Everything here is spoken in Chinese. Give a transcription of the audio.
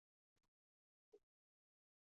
二户车站所共用的铁路车站。